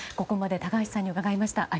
ここまで高橋さんに伺いました。